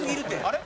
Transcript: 「あれ？